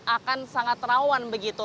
akan sangat rawan begitu